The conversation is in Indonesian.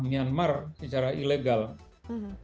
myanmar secara ilegal bahkan kedutaan kitabun tidak mengetahui